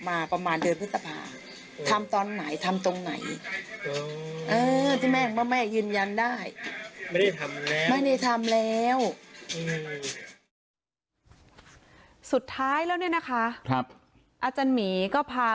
อาจารย์หมีก็พา